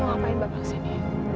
mau ngapain bapak kesini